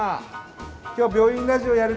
今日「病院ラジオ」やるからね。